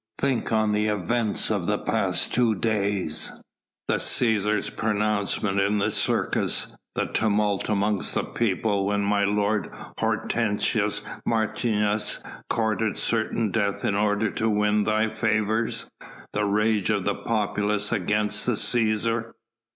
Think on the events of the past two days! The Cæsar's pronouncement in the Circus, the tumult amongst the people when my lord Hortensius Martius courted certain death in order to win thy favours, the rage of the populace against the Cæsar!...